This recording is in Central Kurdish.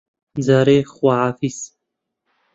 جارێ خواحافیز